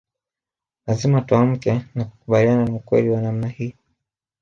Lazima tuamke na kukubaliana na ukweli wa namna hii